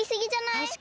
たしかに。